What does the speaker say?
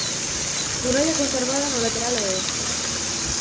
Muralla conservada no lateral oeste.